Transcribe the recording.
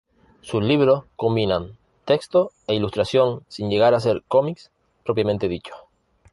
Sus libros combinan texto e ilustración sin llegar a ser cómics propiamente dichos.